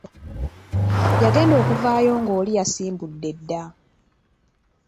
Yagenda okuvaayo ng'oli yasimbudde dda.